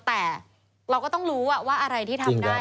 แต่เราก็ต้องรู้ว่าอะไรที่ทำได้